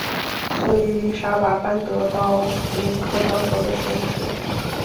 所以丽莎把班德到弗林克教授的实验室。